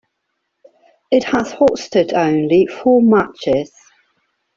It has hosted only four matches.